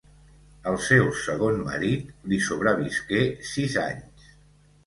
El seu segon marit li sobrevisqué sis anys.